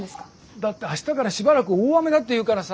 だって明日からしばらく大雨だっていうからさ。